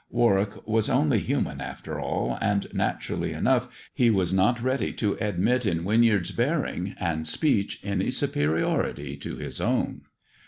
Warwick was only human after all, and, naturally enough, he was not ready to admit in Winyard's bearing and speech any superiority to his own.